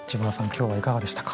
今日はいかがでしたか？